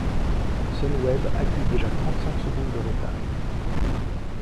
Sunweb accuse déjà trente-cinq secondes de retard.